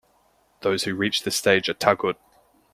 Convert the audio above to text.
Those who reach this stage are taghut.